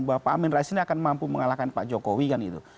bahwa pak amin rais ini akan mampu mengalahkan pak jokowi kan gitu